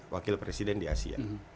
wakil presiden di asean